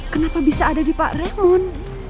kenapa bisa ada di pak refun